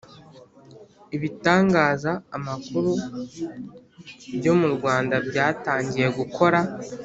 Ibitangaza amakuru byo murwanda byatangiye gukora